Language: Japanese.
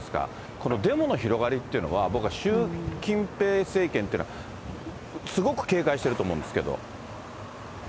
このデモの広がりっていうのは、僕は習近平政権というのはすごく警戒してると思うんですけど。